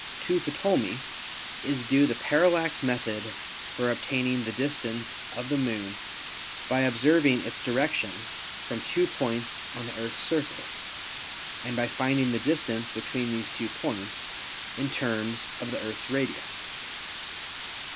To Ptolemy is due the parallax method for obtaining the distance of the Moon by observ ing its direction from two points on the Earth's surface and by finding the distance between these two points in terms of the Earth's radius.